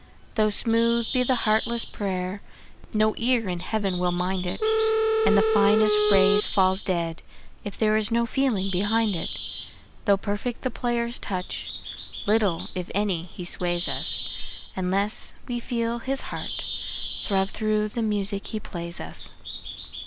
Though smooth be the heartless prayer, no ear in Heaven will mind it, And the finest phrase falls dead if there is no feeling behind it. Though perfect the player's touch, little, if any, he sways us, Unless we feel his heart throb through the music he plays us.